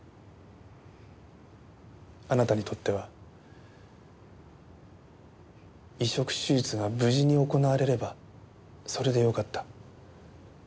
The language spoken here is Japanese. あなたにとっては移植手術が無事に行われればそれでよかった。